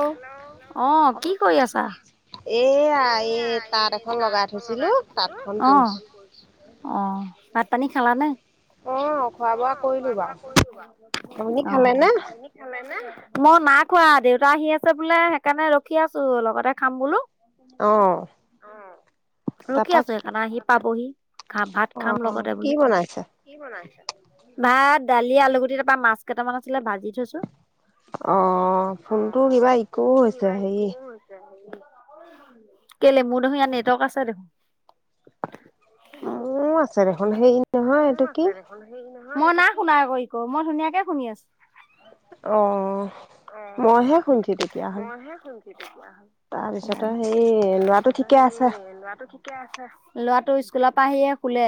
Hello, অহ' কি কৰি আছা? এইয়া, এই তাঁত এখন লগাই থৈছিলো, অহ' বৈছো। অঁ' ভাত পানী খালানে? অঁ' খোৱা বোৱা কৰিলো বাৰু, আপুনি খালে নে? মই নাই খোৱা, দেউতা আহি আছে বোলে সেইকাৰণে ৰখি আছো, লগতে খাম বোলো। অঁ' ৰখি আছো সেইকাৰণে আহি পাবহি। খা, ভাত খাম লগতে বুলি। অ' কি বনাইছা? ভাত, দালি, আলুগুটি তাৰপা মাছ কেইটামান আছিলে ভাজি থৈছো। অ ফোনটো কিবা ইক' হৈছে হেৰি, কেলে মোৰ দেখোন ইয়াত নেটৱৰ্ক আছে দেখোন। মোৰো আছে দেখোন হেৰি নহয় এইটো কি? মই নাই শুনা আকৌ ইক', মই ধুনীয়াকে শুনি আছো। অ, ' মইহে শুনিছো তেতিয়াহ'লে। জানো। তাৰপিছত হেৰি লৰাটো ঠিকে আছে? লৰা- টো স্কুলৰ পৰা আহিয়ে শুলে।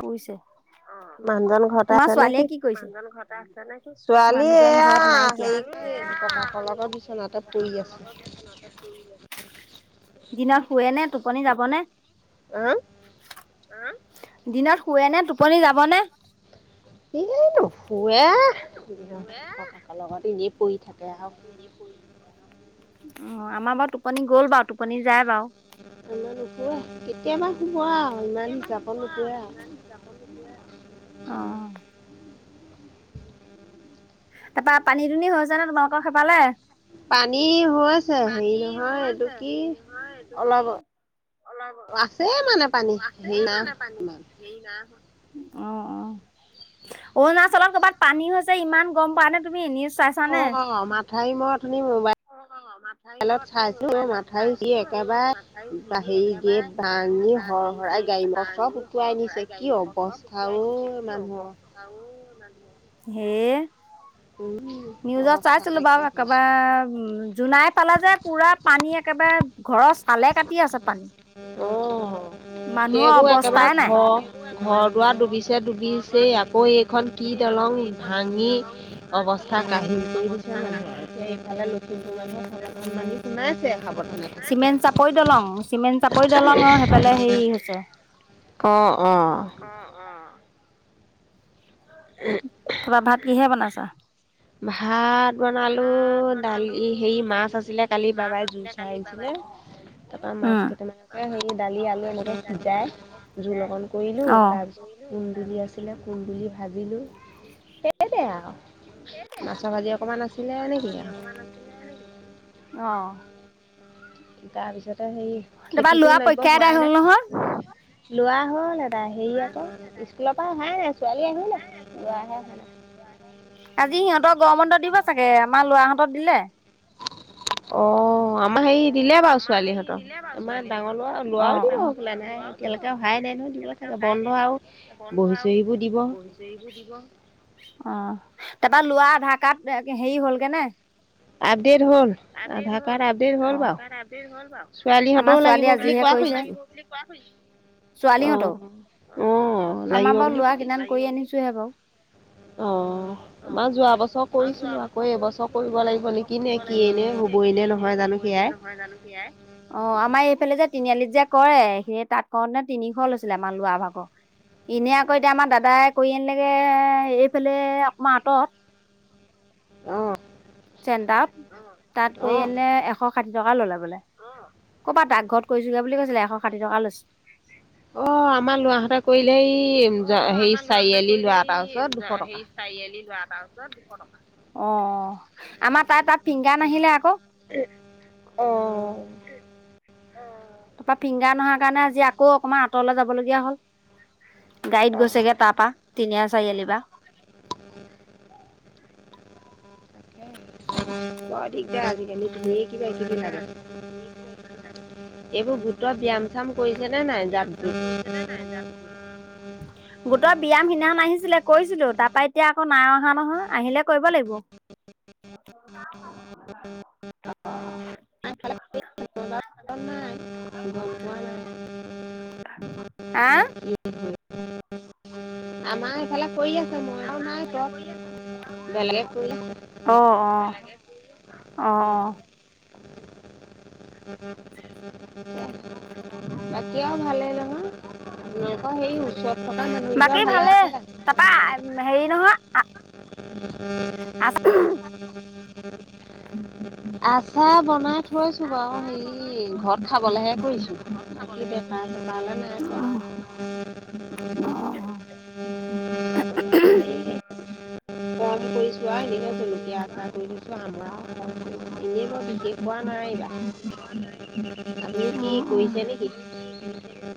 শুইছে, অ' তোমাৰ ছোৱালীয়ে কি কৰিছে? মানু্হজন ঘৰতে আছে নে সি? মানুহজন ঘৰত নাইকিয়া। ছোৱালী এইয়া- ককাকৰ লগত বিচনাতে পৰি আছে। দিনত শুৱে নে? টোপনি যাব নে? আহ? আঁহ? দিনত শুৱে নে? টোপনি যাব নে? এই নুশুৱে, ককাকৰ লগত এনে পৰি থাকে। [unintelligible] অ' আমাৰ বাৰু টোপনি গ'ল বাৰু টোপনি যায় বাৰু কেতিয়াবা শুব- কেতিয়াবা শুব আৰু ইমান হিচাপত নুশুৱে আৰু। অ' তাৰপৰা পানী-দুনি হৈছে নে তোমালোকৰ সেইফালে? পানী পানী হৈ আছে হেৰি নহয়, এইটো কি? আছেই মানে পানী, হেৰি নাই ইমান। অ' অ' অৰুণাচলত কৰ'ৰবাত পানী হৈছে ইমান গম পোৱা নে তুমি? নিউ- অঁ! মাথাই মই অথনি মোবাইল- মাথাই মই অথনি মোবাইলত চাইছিলো আয়ো মাথাই ছিগি একেবাৰে কিবা হেৰি- ভাঙি হৰ-হৰাই গাড়ী মটৰ চব উটুৱাই নিছে। কি অৱস্থা অ'! [unintelligible] সেইয়ে নিউজত চাইছিলো বাৰু একেবাৰে জো, জোনাই ফালে যে পুৰা পানী একেবাৰে ঘৰৰ চালে কাটি আছে পানী। সেইবোৰ একেবাৰে ঘৰ ঘৰ দাৰ ডুবিছে ডুবিছে আকৌ এইখন কি দলং ভাঙি অৱস্থা কঢিলফালে [unintelligible] লুৰ [unintelligible] সাৱধান বাণী সাৱধানে থাকিব দলং চিমেণ্ট চাপৰি দলং অ সেইফালে হেৰি হৈছে অ' অ' অ' তাৰপা ভাত কিহে বনাইছা ভাত বনালো দালি হেৰি মাছ আছিলে কালি বাবাই জু চাই আনিছিলে তাৰ পা মাছ কেইটামানকে হেৰি দালি আলু এনেকে ভিজাই জোল অকন কৰিলো তাৰপিছত কুন্দুলি আছিলে কুন্দুলি [unintelligible] উ [unintelligible] ভাজিলো [unintelligible] মাছা ভাজি অকমান নচিলে নেকি আৰু অ তাৰ পিছতে সে খেতিতটো [unintelligible] নামিব হোৱাই নাই লোৱা লৰা হ'ল দা হেৰি আকৌ স্কুলৰ পৰা হোৱ আহ আজি সিহঁতক গৰমবন্ধ দিব চাগে আমাৰ লৰাহঁতত দিলে অ' আমাৰ হেৰি দিলে বাৰু ছোৱালীহঁতৰ আমাৰ ডাঙৰ ল'ৰা লৰাও দিব হৈ পেলা নাই এতিয়ালৈেকে আহাই নাই নহয়। এতিয়ালৈকে অহাই ন ন বন্ধ আৰু বহি চহবোৰ দিব অ তাৰপা লোৱা আধাৰ কাৰ্ড হেৰি হ'লগে নে আবিৰ হ আবিৰ হ'ল ব আমাৰ ছোৱালীয়ে আজিহে কৰিছে বুলি কোৱা শুনিছো ছোৱালী হত আমাৰ বাৰু লৰা কদান কৰি আনিছোহে বাৰু অ' মই যোৱা বছৰ কৰিছিলো আকৌ এইবছৰ কৰিব লাগিব নেকি নে কি এনে হবই কিয় ন হবই এনে নহয় জানো সেয়াই অ আমাৰ এইফালে যে তিনিআলিত যে কৰে সেই তাত কৰ নে তিনিশ লৈছিলে আমাৰ লোৱা ভাগৰ। এনে আকৌ এতিয়া আমাৰ দাদাই কৰি আনিলেগে এইফালে আকাৰ আঁতৰত। উ [inaudible] চেণ্টাৰত তাত কৰি আনিলে এশ ষাঠি টকা ললে [unintelligible] ক'ৰবাত ডাকঘৰত কৈছগে বুলি কৈছিলে এশ ষাঠি টকা লৈছে। অ আমাৰ লৰাহতে কৰি এই হে চাৰিআলি লোৱা এটাৰ ওচৰত দুশ টকা [unintelligible] দুশ টকা অ'-অ' আমাৰ তাৰ তাত ফিংগাৰ নাহিলে আকৌ তাৰপা ফিংগাৰ নোহোৱাৰ কাৰণে আজি আকৌ অকমান আঁতৰলে যাব লগগীয়া হ'ল গাড়ীত গৈছেগে তাৰপা তিনিআ চাৰি আলি পা [inaudible] উম উম উম [inaudible] [unintelligible] ব় [unintelligible] আজিকালি ধেই কিবা কিবি লাগে এইবোৰ গোটৰ ব্যাম এইবোৰ গোটৰ ব্যায়াম চাম কৰিছে নে নাই যাক গোটৰ ব্যয়াম সিদিনাখন আহিছিলে। কৈছিলো তাৰ পৰা এতিয়া আকৌ নাই অহা নহয় আহিলে কৰিব লাগিব। অ [unintelligible] নাই গম পোৱা নাই। আ উ হয় [unintelligible] উ [inaudible] আমাৰ এইফালে কৰি আছে মই নাই তত বেলেগে কৰি আছো অ' উম [inaudible] [inaudible] বাকি আও ভালে নহয় আপোনালোকৰ সেই ওচৰত থকা মানুহ তেই ভালে তাপা হেৰি নহয় উ [unintelligible] আচা বনাই- থৈছো বাৰু হেৰি ঘৰত খাবলেহে কৰিছো বাকী বেমাৰ চেমাৰে নাই কৰা। আহ। [inaudible] এনেকে জলকীয়া আচাৰ কৰি দিছো আমাৰ এনে বিশেষ কৰা নিবা আপুনি কি কৰিছে নেকি? কি কৰিছে নেকি?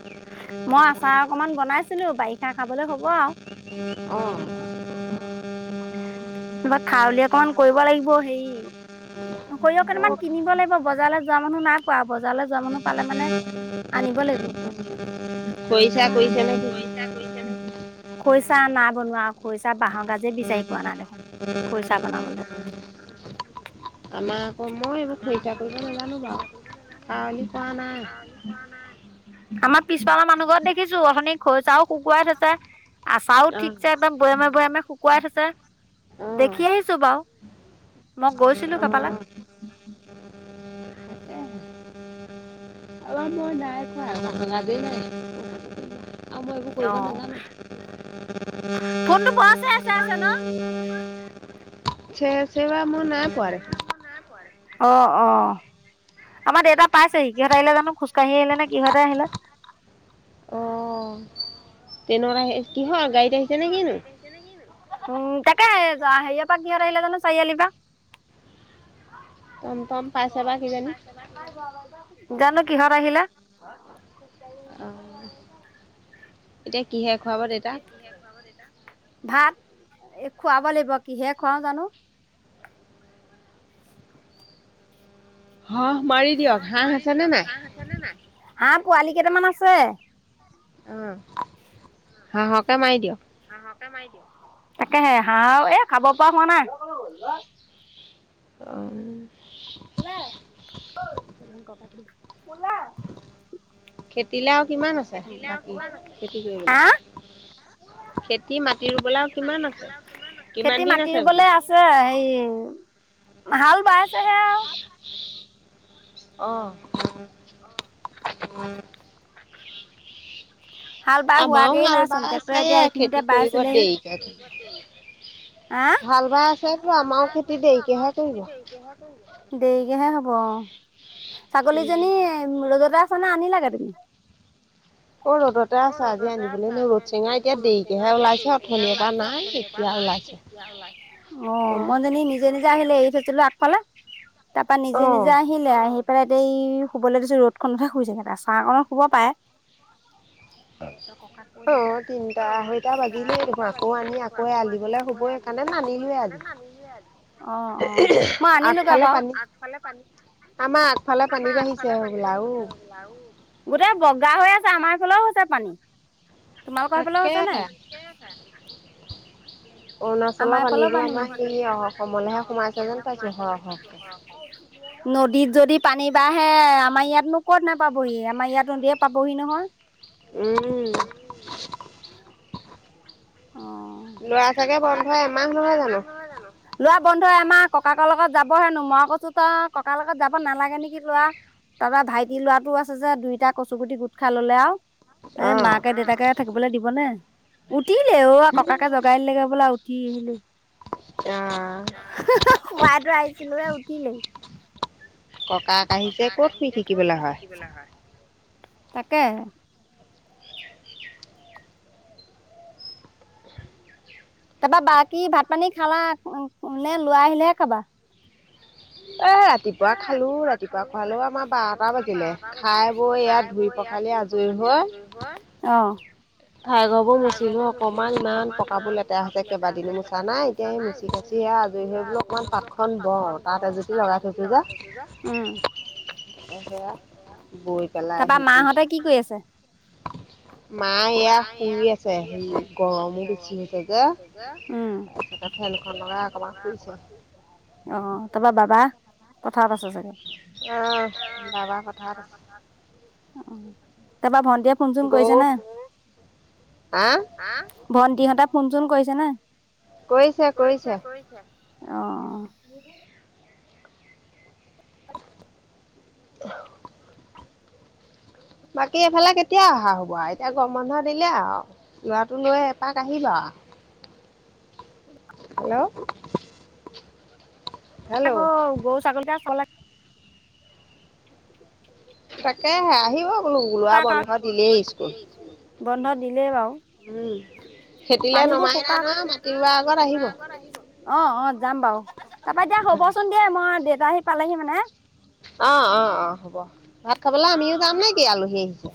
মই আচাৰ অকনমান বনাইছিলো বাৰিষা খাবলে হব আৰু। [unintelligible] কিবা খাউলি অকমান কৰিব লাগিব হেৰি সৰিয়হ কণমান কিনিব লাগিব বজাৰলৈ যোৱা মানুহ নাই পোৱা বজাৰলৈ যোৱা মানুহ পালে মানে [inaudible] খৰিচা কৈছা নেকি? খৰিচা না বনোৱা খৰিচা বাঁহৰ গাজে বিচাৰি পোৱা নাই দেখোন। খইচা বনাবলৈ। আমাৰ মই খছ নান ত নাই। আমাৰ পিছফালৰ মানুহ ঘৰত দেখিছো অলথনি খৰিচা ও শুকুৱাই থৈছে। আচাও ঠিকছে একদম বৈয়ামে বৈয়ামে শুকুৱাই থৈছে দেখি আহিছো বাৰু মই গৈছিলো সেইফালে। উ [unintelligible] ভা দে নাই। [inaudible] আৰু মই এইবোৰ কৰিব নাজানো। ফোন টো বৰ চে চেৰাইছে ন। চে চেওৱা মই নাই পোৱা দেখোন। অ অ। আমাৰ দেউতা পাইছেহি কিহঁতে আহিলে জানো খোজকাঢ়ি আহিলে নে কিহতে আহিলে। টেনত আহে [unintelligible] উম তাকে হেৰিয় পা কিহত আহিলে জানো চাৰিআলি পৰা। গম পাইছে বা কিজানি। জানো কিহত আহিলে। এতিয়া কিহে খুৱাব দেউতাক। ভাত খুৱাব লাগিব কিহে খুৱাও জানো? [inaudible] হ মাৰি দিয়ক হাঁহ আছে নে নাই। আহ পোৱালি কেইটামান আছে। হাঁহকে মাৰি দিওঁক। তাকেহে হাঁ এ খাব পৰা হোৱা নাই। ক- হা খেতি মাটি ৰুবলে আছে এই হাল বাইচে হে আও। অ। আমাৰও হাল ব চাই খেতি কৰিব দেৰিকে। হাল বায় দেৰিকে হে হব উম। ছাগলীজনী ৰদতে আছে নে আনি লাগে তুমি? অ, ৰ'দতে আছা আজি আনিবলৈ ন ৰ'দ চেঙা এতিয়া দেৰিকেহে ওলাইছে অথননিৰ পৰা নাই তেতিয়া ওলাই। অ, মই জনানী নিজে - নিজে নি আহিলে এৰি থৈছিলো আগফালে তাৰ পৰা নিজে - নিজে আহিলে আহি পেলাই এ এই শুবলৈ দিছো ৰ'দখনতহে শুইছোগে তা চাহকনত শুব পাৰে। তই ককাত কৈ দি অ, তিনটা আঢ়ৈটা বাজিলে আকৌ আনি আকৌ। হব সেইকাৰণোনে অ - অ মই আনিলো বাৰু আগফালে পান। আম আঠফালা পানী জমিছে আৰু গোটে গাতা হৈ আছে আমাৰ ফলেও হৈছে পানী। তোমালোকৰ হৈ পেলাইওছ নাই। আমাৰ পলৰ আনিব অসম স নদ দিত যদি পানী বাঢ়ে আমাৰ ইয়াতনো কত নাপাবহি আমাৰ ইয়াতোদিয়ে পাবহি নহয় উম, অ, লৰা ছাগে বন্ধ এমাহ নহয় জানো লৰা বন্ধ। তই আমাৰ ককাকৰ লগত যাব হেনো মই কৈছো তই ককাৰ লগত যাব নালাগে নেকি লোৱা। তাৰপৰা ভাইটি লৰাটো আছে যে দুইটা কচু গুটি গোট খাই ললে আৰু। এ মাকে দেউতাকে থাকিবলৈ দিবনে উঠিলে অ, ককাকে জগাই দিলেগে বোলা। উঠি আহিলে সমাইতো আহিছিলো এ উঠিলে। ককাক আহিছে ক'ত শুই থাকিবলৈ হয়। তাকে তাৰপা বাকী ভাত পানী খালা নে লৈ আহিলেহে খাবা। এ ৰাতিপুৱা খালো ৰাতিপুৱা খোৱালো আমাৰ বাৰটা বাজিলে খাই বৈ ইয়াত। পখালে আজৰি হল অ, খাই ঘৰ বোৰ মচিলো অকনমান ইমান পকাবোৰ লেতেৰা হৈছে কেইবাদিনো মোচা নাই এতিয় মচি খচি সয়া আজুৰি হৈ বো অকমান পাত খন বও তাত এজুতি লগাই লগ থৈ। থছো যে উম, তে গৈ পেলাই আহি কৰিছো। [inaudible] মা এয়া শুই আছে হে গৰমো বেছি হৈছে যে তাৰ। ফেলখন লগাই অকবমান শুইছে। অ, তাৰপৰা বাবা পথাৰত আছে। চাগে উম, তাৰপা ভন্টীয়ে ফোন চোন কৰিছে না ভন্টিহত ফোন চোন কৰিছে না কৰিছে - কৰিছে। অহ ', আহ বাকী এইফালে কেতিয়া অহা হ'ব আৰু এতিয়া গম বন্ধ দিলে আৰু লৰাটো লৈ এপাক আহিবা আৰু বাহ হেল্ল', কৌ গৌ ছাগল ক চ লাগ তাকে আহিব বোলো ওলোৱা বন্ধ দিলেই স্কুল। বন্ধ দিলে বাৰু। উম। উম, পানীবোৰ শুকাত অহ - অহ- অহ যাম বাৰু তাৰাপা এতিয়া হব কোন দে মই দেউতা আহি পালেহি মানে। অ- অ - অ হ'ব ভাত খাবলৈ আমিও যাম নে কি আলহী আহিছে।